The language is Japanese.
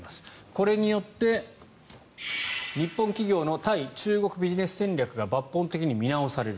これによって日本企業の対中国ビジネス戦略が抜本的に見直される。